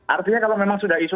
artinya kalau memang sudah isu